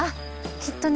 きっとね